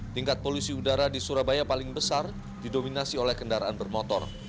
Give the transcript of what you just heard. tingkat polusi udara di surabaya paling besar didominasi oleh kendaraan bermotor